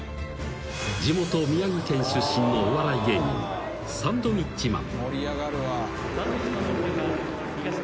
［地元宮城県出身のお笑い芸人サンドウィッチマン］